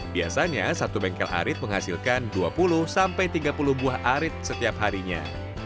biasanya satu bengkel arit menghasilkan dua puluh sampai tiga puluh buah arit setiap harinya